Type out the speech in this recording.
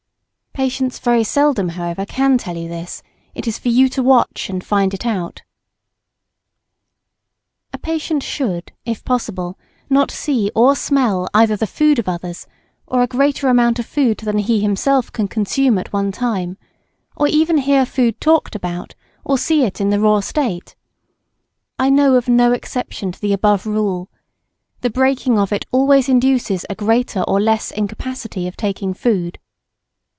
Patients very seldom, however, can tell this; it is for you to watch and find it out. [Sidenote: Patient had better not see more food than his own.] A patient should, if possible, not see or smell either the food of others, or a greater amount of food than he himself can consume at one time, or even hear food talked about or see it in the raw state. I know of no exception to the above rule. The breaking of it always induces a greater or less incapacity of taking food.